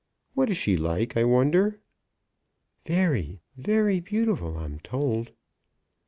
What is she like, I wonder?" "Very, very beautiful, I'm told."